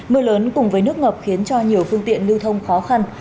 mưa lớn cùng với nước ngập khiến cho nhiều phương tiện lưu thông khó khăn